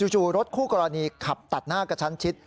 จู่รถคู่กรณีขับตัดหน้ากระชั้นชิด